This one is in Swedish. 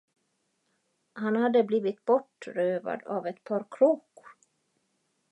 Han hade blivit bortrövad av ett par kråkor.